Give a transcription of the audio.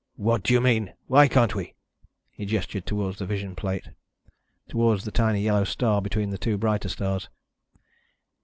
"What do you mean? Why can't we?" He gestured toward the vision plate, toward the tiny yellow star between the two brighter stars.